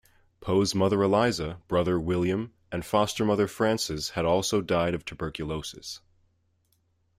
Poe's mother Eliza, brother William, and foster mother Frances had also died of tuberculosis.